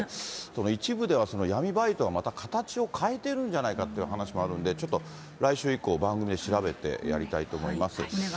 一部では、闇バイトがまた形を変えてるんじゃないかという話もあるんで、ちょっと来週以降、番組で調べてやりたいと思います。